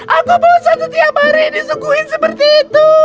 aku belum satu tiap hari disukuin seperti itu